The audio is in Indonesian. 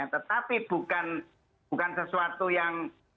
tetapi bukan sesuatu yang